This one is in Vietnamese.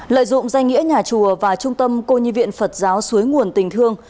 lợi dụng danh nghĩa nhà chùa và trung tâm cô như viện phật giáo suối nguồn tình thương